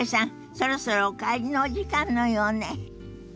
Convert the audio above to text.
そろそろお帰りのお時間のようね。